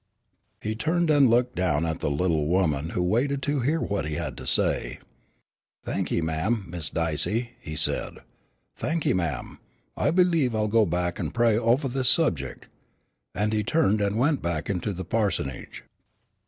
He turned and looked down at the little woman, who waited to hear what he had to say. "Thankye, ma'am, Sis' Dicey," he said. "Thankye, ma'am. I believe I'll go back an' pray ovah this subject." And he turned and went back into the parsonage.